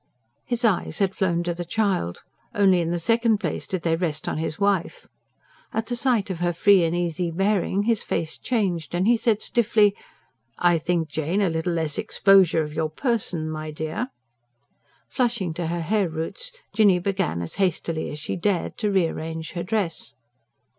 His eyes had flown to the child; only in the second place did they rest on his wife. At the sight of her free and easy bearing his face changed, and he said stiffly: "I think, Jane, a little less exposure of your person, my dear...." Flushing to her hair roots, Jinny began as hastily as she dared to re arrange her dress.